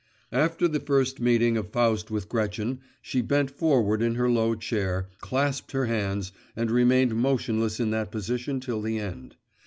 After the first meeting of Faust with Gretchen she bent forward in her low chair, clasped her hands, and remained motionless in that position till the end.